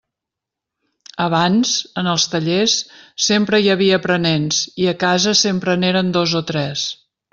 Abans, en els tallers, sempre hi havia aprenents i a casa sempre n'eren dos o tres.